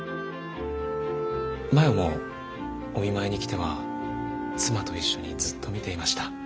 真与もお見舞いに来ては妻と一緒にずっと見ていました。